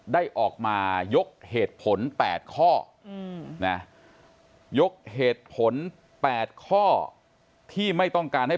ได้ออกมายกเหตุผล๘ข้อนะยกเหตุผล๘ข้อที่ไม่ต้องการให้